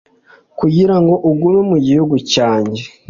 kugira ngo ugume mu gihugu cyange